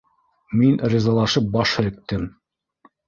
Мин ризалашып баш һелктем.